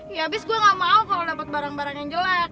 ya abis gua ga mau kalo dapet barang barang yang jelek